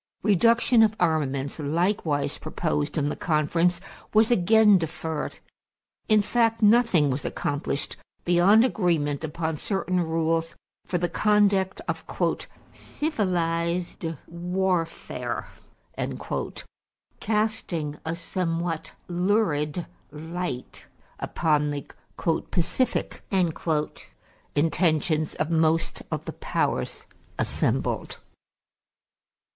Reduction of armaments, likewise proposed in the conference, was again deferred. In fact, nothing was accomplished beyond agreement upon certain rules for the conduct of "civilized warfare," casting a somewhat lurid light upon the "pacific" intentions of most of the powers assembled.